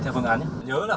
tiến hành điều tra